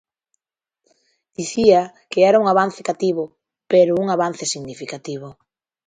Dicía que era un avance cativo pero un avance significativo.